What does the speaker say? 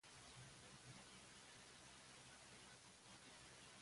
P. H. Talbot in command.